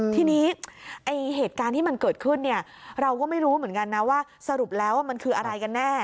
ทีนี้เหตุการณ์ที่มันเกิดขึ้นเนี่ยเราก็ไม่รู้เหมือนกันนะว่าสรุปแล้วมันคืออะไรกันแน่